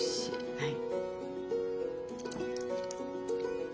はい。